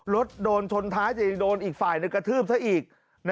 รถโดนชนท้ายจะโดนอีกฝ่ายในกระทืบซะอีก